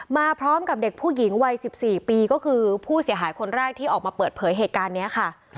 มาพร้อมกับเด็กผู้หญิงวัย๑๔ปีก็คือผู้เสียหายคนแรกที่ออกมาเปิดเผยเหตุการณ์นี้ค่ะ